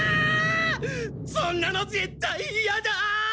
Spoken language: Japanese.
そんなの絶対イヤだ！